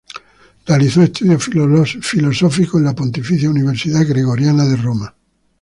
Realizó estudios filosóficos en la Pontificia Universidad Gregoriana de Roma.